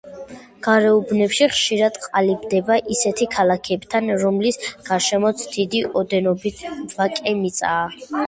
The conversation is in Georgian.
გარეუბნები ხშირად ყალიბდება ისეთ ქალაქებთან, რომლის გარშემოც დიდი ოდენობით ვაკე მიწაა.